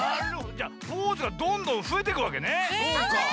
じゃあポーズがどんどんふえてくわけね。